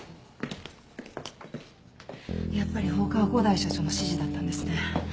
やっぱり放火は五大社長の指示だったんですね。